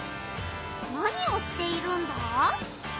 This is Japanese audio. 何をしているんだ？